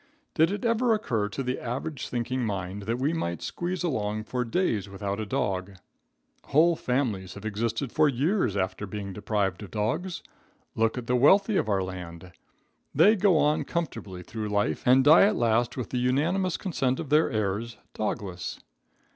Did it ever occur to the average thinking mind that we might squeeze along for weeks without a dog? Whole families have existed for years after being deprived of dogs. Look at the wealthy of our land. They go on comfortably through life and die at last with the unanimous consent of their heirs dogless.